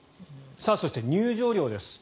そして、入場料です。